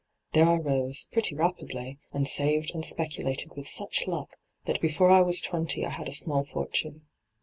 There I roBe — pretty rapidly — and aaved and specu lated with such luck that before I was twenty I had a small fortune.